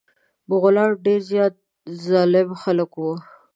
مغولان ډير زيات ظالم خلک وه.